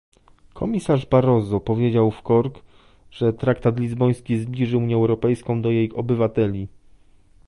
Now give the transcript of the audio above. Komisarz Barroso powiedział w Cork, że traktat lizboński zbliży Unię Europejską do jej obywateli